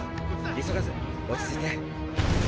急がず落ち着いて！